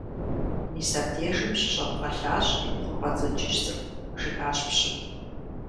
Мис абдежым щыщӀэбгъэлъащ, ХъумпӀэцӀэджыжь цӀыкӀу! – жиӀащ пщым.